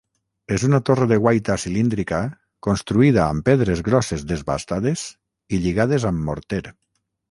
És una torre de guaita cilíndrica, construïda amb pedres grosses desbastades i lligades amb morter.